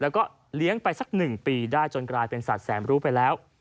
แล้วก็เลี้ยงไปสัก๑ปีได้จนกลายเป็นสัตวแสนรู้ไปแล้ว